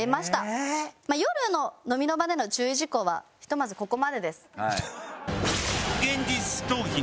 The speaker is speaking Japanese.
夜の飲みの場での注意事項はひとまずここまでです。